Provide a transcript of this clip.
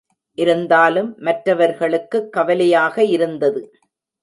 இருந்தாலும் மற்றவர்களுக்குக் கவலையாக இருந்தது.